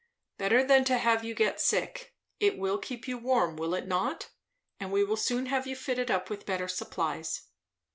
"Better than to have you get sick. It will keep you warm, will it not? and we will soon have you fitted up with better supplies."